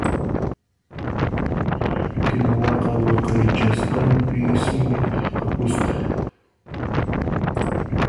Kinuwaqa waqaychasqanpi ismurqapusqa.